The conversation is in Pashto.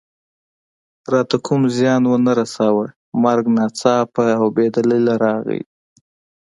راته کوم زیان و نه رساوه، مرګ ناڅاپه او بې دلیله راغی.